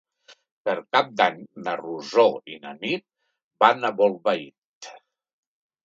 Per Cap d'Any na Rosó i na Nit van a Bolbait.